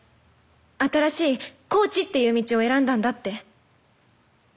新しいコーチっていう道を選んだんだって。